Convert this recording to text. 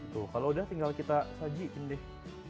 tuh kalau udah tinggal kita sajiin deh